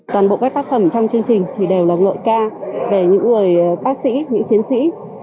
toàn bộ các tác phẩm trong chương trình thì đều là ngợi ca về những người bác sĩ những chiến sĩ